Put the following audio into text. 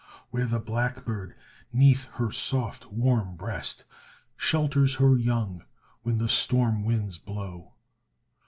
Where the blackbird 'neath her soft warm breast Shelters her young when the storm winds blow.